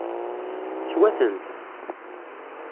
Teswa-tent?